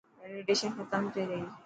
ويليڊيشن ختم ٿي گئي.